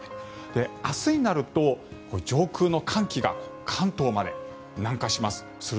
明日になると上空の寒気が関東まで南下します。